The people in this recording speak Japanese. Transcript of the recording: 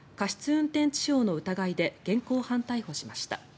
運転致傷の疑いで現行犯逮捕しました。